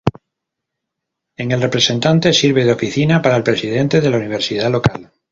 En el presente sirve de oficina para el presidente de la universidad local.